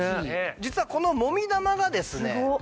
実はこのモミ玉がですね